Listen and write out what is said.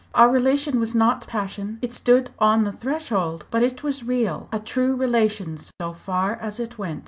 Our relation was not passion; it stood on the threshold but it was real a true relation so far as it went.